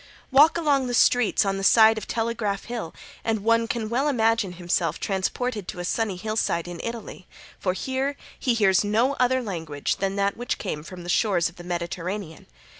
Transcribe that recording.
Walk along the streets on the side of Telegraph Hill and one can well imagine himself transported to a sunny hillside in Italy, for here he hears no other language than that which came from the shores of the Mediterranean.